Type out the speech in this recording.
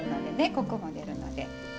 コクも出るので。